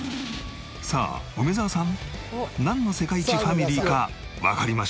さあ梅沢さんなんの世界一ファミリーかわかりましたか？